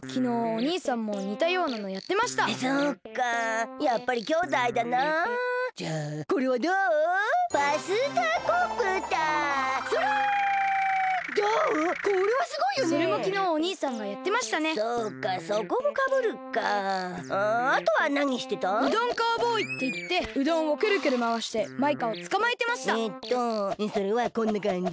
ねえそれはこんなかんじ？